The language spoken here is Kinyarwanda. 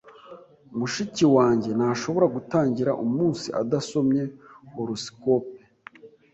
Mushiki wanjye ntashobora gutangira umunsi adasomye horoscope.